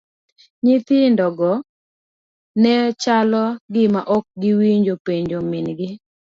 Nyithindo go nechalo gima ok owinjo penjo min gi.